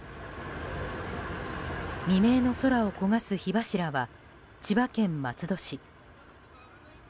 未明の空を焦がす火柱は千葉県松戸市。